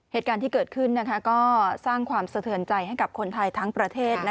เหตุการณ์ที่เกิดขึ้นก็สร้างความสะเทือนใจให้กับคนไทยทั้งประเทศ